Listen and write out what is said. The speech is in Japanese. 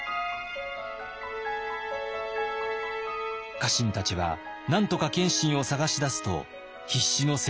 家臣たちはなんとか謙信を捜し出すと必死の説得を重ねます。